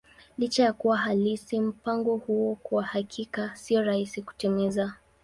Licha ya kuwa halisi, mpango huu kwa hakika sio rahisi kutimiza.